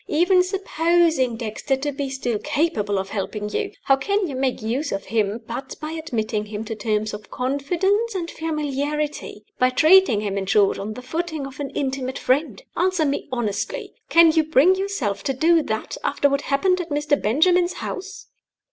Even supposing Dexter to be still capable of helping you, how can you make use of him but by admitting him to terms of confidence and familiarity by treating him, in short, on the footing of an intimate friend? Answer me honestly: can you bring yourself to do that, after what happened at Mr. Benjamin's house?"